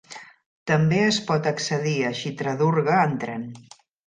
També es pot accedir a Chitradurga en tren.